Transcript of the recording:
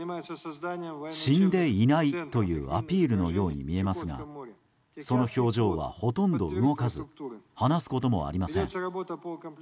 死んでいないというアピールのように見えますがその表情はほとんど動かず話すこともありません。